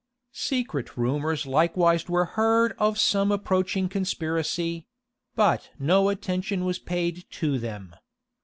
Secret rumors likewise were heard of some approaching conspiracy; but no attention was paid to them.